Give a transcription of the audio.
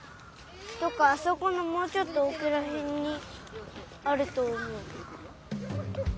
あそこのもうちょっとおくらへんにあるとおもう。